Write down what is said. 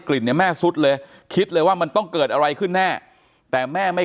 เนี่ยแม่สุดเลยคิดเลยว่ามันต้องเกิดอะไรขึ้นแน่แต่แม่ไม่